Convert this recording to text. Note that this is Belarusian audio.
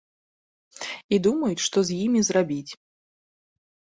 І думаюць, што з імі зрабіць.